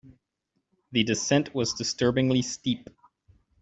The descent was disturbingly steep.